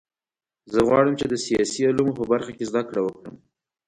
زه غواړم چې د سیاسي علومو په برخه کې زده کړه وکړم